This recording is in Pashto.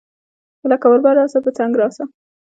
لکه اوربل راسه ، پۀ څنګ راسه